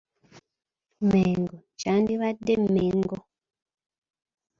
Mengo: Kyandibadde Mmengo.